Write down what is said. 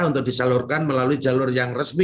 untuk disalurkan melalui jalur yang resmi